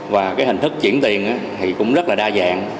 và hình thức chuyển tiền cũng rất là đa dạng